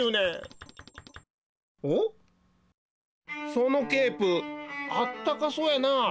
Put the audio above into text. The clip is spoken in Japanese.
そのケープあったかそうやな。